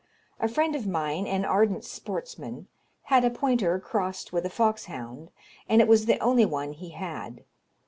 A friend of mine, an ardent sportsman, had a pointer crossed with a foxhound, and it was the only one he had.